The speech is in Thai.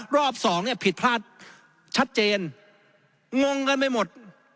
รอบสองเนี่ยผิดพลาดชัดเจนงงกันไปหมด